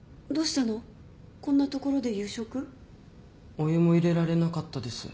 お湯も入れられなかったです。